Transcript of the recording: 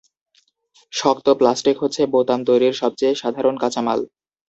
শক্ত প্লাস্টিক হচ্ছে বোতাম তৈরির সবচেয়ে সাধারণ কাঁচামাল।